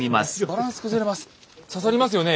バランス崩れます。